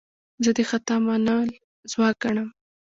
زه د خطا منل ځواک ګڼم.